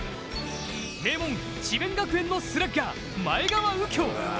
名門・智弁学園のスラッガー前川右京。